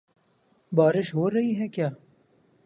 بارش ہو رہی ہے کیا؟